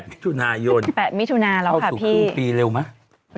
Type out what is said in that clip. ๑๘มิถุนายนเข้าสู่ครึ่งปีเร็วไหมครับพี่